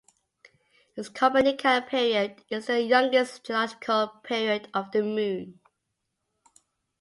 The Copernican period is the youngest geological period of the Moon.